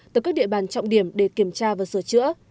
từ các địa bàn trọng điểm để kiểm tra và sửa chữa